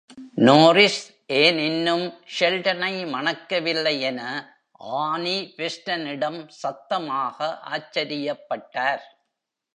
Norris ஏன் இன்னும் ஷெல்டனை மணக்கவில்லை என ஆனி வெஸ்டனிடம் சத்தமாக ஆச்சரியப்பட்டார்.